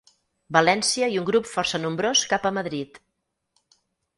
València i un grup força nombrós cap a Madrid.